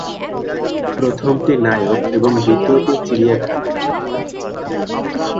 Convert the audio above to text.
প্রথমটি "নায়ক" এবং দ্বিতীয়টি "চিড়িয়াখানা"।